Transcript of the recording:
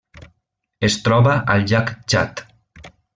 Es troba al llac Txad.